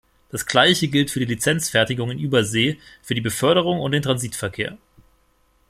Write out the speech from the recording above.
Das Gleiche gilt für die Lizenzfertigung in Übersee, für die Beförderung und den Transitverkehr.